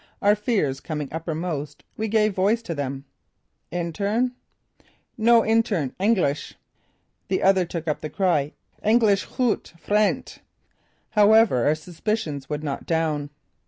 Our fears coming uppermost, we gave voice to them: "Intern?" "No intern. Engelsch." The other took up the cry: "Engelsch goot! Frient." However our suspicions would not down.